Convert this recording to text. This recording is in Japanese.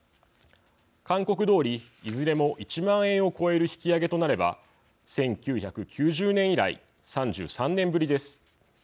勧告どおり、いずれも１万円を超える引き上げとなれば１９９０年以来、３３年ぶりです。